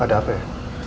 ada apa ya